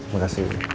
mari bu yasa